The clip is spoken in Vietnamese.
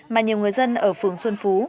mà nhiều người dân ở phường xuân phú